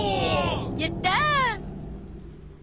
やった！